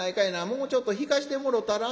もうちょっと弾かしてもろたら？』